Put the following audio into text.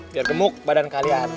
biar gemuk badan kalian